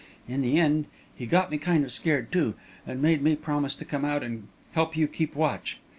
In the end, he got me kind of scared, too, and made me promise to come out and help you keep watch.